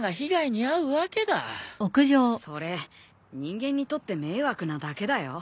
それ人間にとって迷惑なだけだよ。